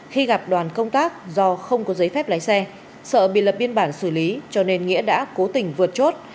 khi gặp đoàn công tác do không có giấy phép lái xe sợ bị lập biên bản xử lý cho nên nghĩa đã cố tình vượt chốt